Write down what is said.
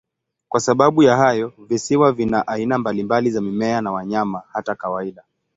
Kwa sababu ya hayo, visiwa vina aina mbalimbali za mimea na wanyama, hata kawaida.